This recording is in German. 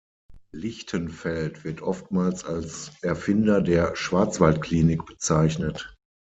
Lichtenfeld wird oftmals als Erfinder der "Schwarzwaldklinik" bezeichnet.